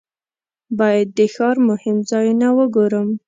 باید د ښار مهم ځایونه وګورم.